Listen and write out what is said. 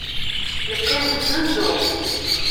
Yeqqim deg usensu.